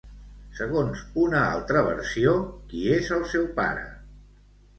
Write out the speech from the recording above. Segons una altra versió, qui és el seu pare?